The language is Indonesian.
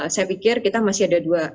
saya pikir kita masih ada dua